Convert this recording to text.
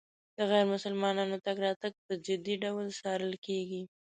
د غیر مسلمانانو تګ راتګ په جدي ډول څارل کېږي.